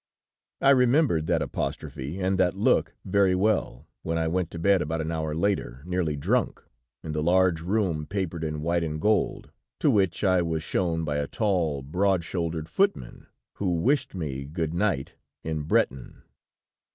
"I remembered that apostrophe and that look very well, when I went to bed about an hour later, nearly drunk, in the large room papered in white and gold, to which I was shown by a tall, broad shouldered footman, who wished me good night in Breton.